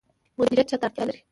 مدیریت چا ته اړتیا لري؟